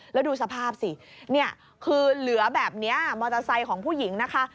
แล้วดูสภาพสิเนี่ยคือเหลือแบบนี้มอเตอร์ไซค์ของผู้หญิงนะคะ